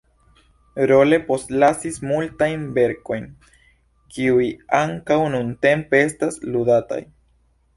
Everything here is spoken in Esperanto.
Rolle postlasis multajn verkojn, kiuj ankaŭ nuntempe estas ludataj.